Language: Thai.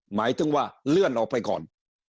หมายถึงว่าเลื่อนออกไปก่อน